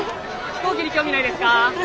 飛行機に興味ないですか？